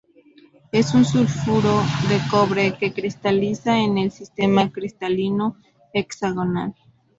Es un sulfuro de cobre que cristaliza en el sistema cristalino hexagonal.